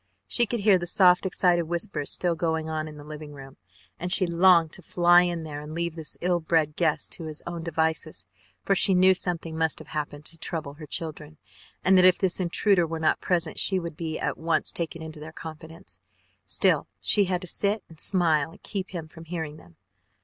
She could hear the soft excited whispers still going on in the living room and she longed to fly in there and leave this ill bred guest to his own devices, for she knew something must have happened to trouble her children, and that if this intruder were not present she would be at once taken into their confidence. Still she had to sit and smile and keep him from hearing them.